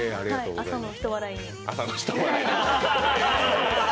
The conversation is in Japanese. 朝のひと笑いに。